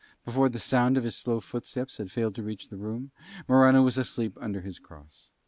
Before the sound of his slow footsteps had failed to reach the room Morano was asleep under his cross.